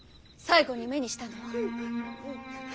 最後に目にしたのは？